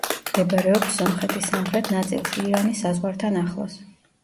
მდებარეობს სომხეთის სამხრეთ ნაწილში, ირანის საზღვართან ახლოს.